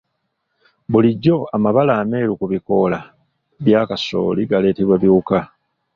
Bulijjo amabala ameeru ku bikoola bya kasooli galeetebwa biwuka.